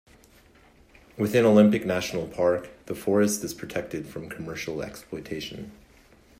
Within Olympic National Park, the forest is protected from commercial exploitation.